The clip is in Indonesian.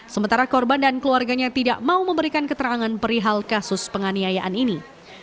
sementara korban dan keluarganya tidak mau memberikan keterangan perihal kasus penganiayaan ini